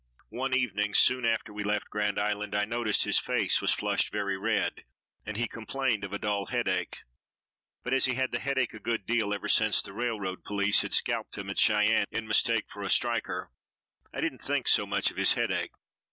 One evening soon after we left Grand Island I noticed his face was flushed very red, and he complained of a dull headache, but as he had the headache a good deal ever since the railroad police had scalped him at Cheyenne in mistake for a striker, I didn't think so much of his headache.